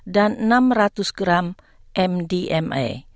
dan enam ratus gram mdma